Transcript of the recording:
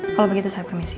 kalau begitu saya permisi